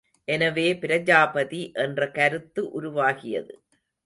எனவே பிராஜாபதி என்ற கருத்து உருவாகியது.